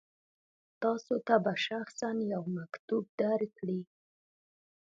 تاسو ته به شخصا یو مکتوب درکړي.